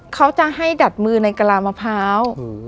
เขาจะให้ดัดมือในกระลามะพร้าว